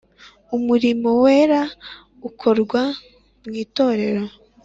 umurimo wera ukorwa mw’itorero.